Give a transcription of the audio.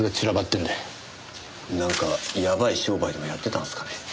なんかやばい商売でもやってたんですかね？